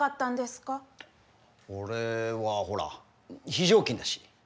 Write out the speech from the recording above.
俺はほら非常勤だし。